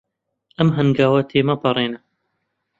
ئەم هەنگاوە تێمەپەڕێنە.